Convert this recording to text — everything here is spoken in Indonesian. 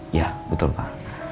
iya betul pak